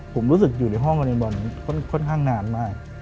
ผมรู้สึกอยู่ในห้องวารินบอลค่อนข้างนานมาก